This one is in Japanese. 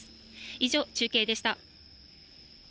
以上、中継でした。